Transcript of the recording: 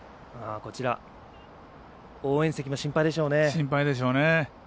応援席も心配でしょうね。